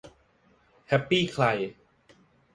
แฮปปี้ใคร